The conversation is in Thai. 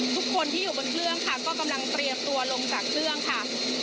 ทุกคนที่อยู่บนเครื่องค่ะก็กำลังเตรียมตัวลงจากเครื่องค่ะ